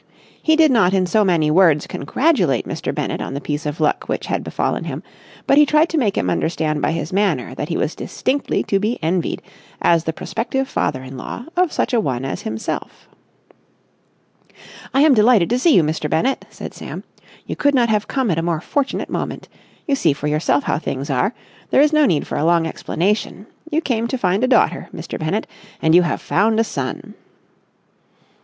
He did not in so many words congratulate Mr. Bennett on the piece of luck which had befallen him, but he tried to make him understand by his manner that he was distinctly to be envied as the prospective father in law of such a one as himself. "I am delighted to see you, Mr. Bennett," said Sam. "You could not have come at a more fortunate moment. You see for yourself how things are. There is no need for a long explanation. You came to find a daughter, Mr. Bennett, and you have found a son!"